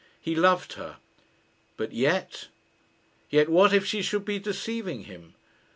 He loved her. But yet yet what if she should be deceiving him?